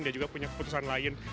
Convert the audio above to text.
dia juga punya keputusan lain